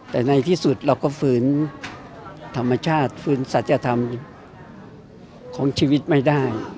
แต่ในที่สุดเราก็ฝืนธรรมชาติฟื้นสัจธรรมของชีวิตไม่ได้